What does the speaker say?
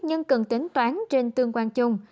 nhưng cần tính toán trên tương quan chung